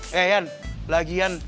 hei yan lagi yan